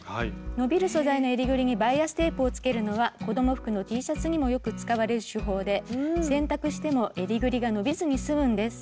伸びる素材の襟ぐりにバイアステープをつけるのは子供服のＴシャツにもよく使われる手法で洗濯しても襟ぐりが伸びずに済むんです。